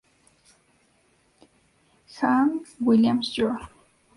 Hank Williams Jr.